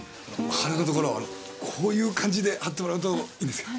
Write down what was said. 鼻のところをこういう感じで貼ってもらうといいんですが。